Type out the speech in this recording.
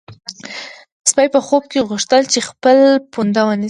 سپی په خوب کې غوښتل چې خپل پونده ونیسي.